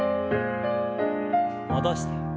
戻して。